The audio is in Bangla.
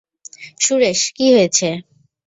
সুরেশ, কি হয়েছে?